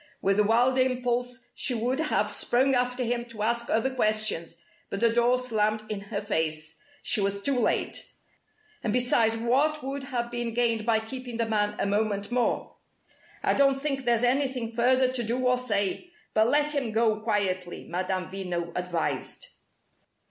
With a wild impulse she would have sprung after him to ask other questions, but the door slammed in her face. She was too late. And besides, what would have been gained by keeping the man a moment more? "I don't think there's anything further to do or say. But let him go quietly," Madame Veno advised.